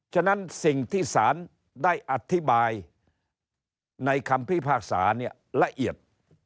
ฉะนั้นสิ่งที่ศาลได้อธิบายในคำพิพากษาเนี่ยละเอียด